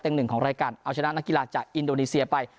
หนึ่งของรายการเอาชนะนักกีฬาจากอินโดนีเซียไป